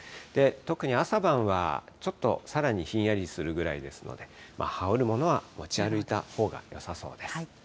特に朝晩はちょっとさらにひんやりするぐらいですので、羽織るものは持ち歩いたほうがよさそうです。